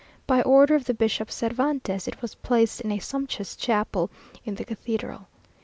By order of the Bishop Cervantes, it was placed in a sumptuous chapel in the cathedral.